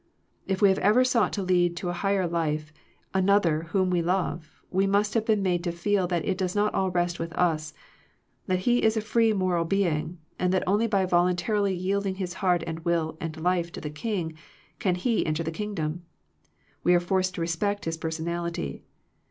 If we have ever sought to lead to a higher life another whom we love, we must have been made to feel that It does not all rest with us, that he Is a free moral being, and that only by voluntarily yielding his heart and will and life to the King, can he enter the King dom. We are forced to respect his per sonality.